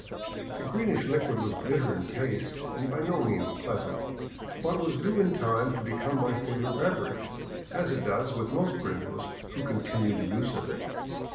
The green ish liquid was bitter in taste and by no means pleasant, but was due in time to become my favorite beverage, as it does with most gringos who continue the use of it.